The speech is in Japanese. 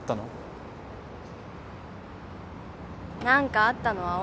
何かあったの？